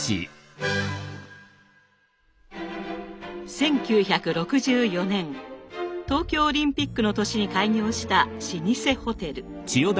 １９６４年東京オリンピックの年に開業した老舗ホテル。